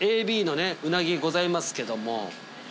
ＡＢのうなぎございますけども。